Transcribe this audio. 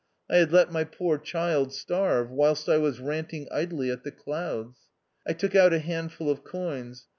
I had let my poor child starve whilst I was ranting idly at the clouds. I took out a handful of coins.